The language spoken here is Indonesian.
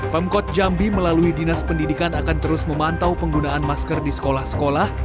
pemkot jambi melalui dinas pendidikan akan terus memantau penggunaan masker di sekolah sekolah